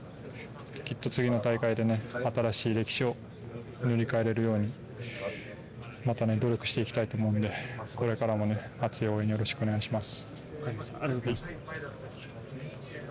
次の大会でね、新しい歴史を塗りかえれるようにまた努力していきたいと思うのでこれからも熱い応援ありがとうございます。